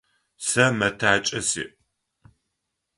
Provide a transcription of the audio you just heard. Сэ мэтакӏэ сиӏ.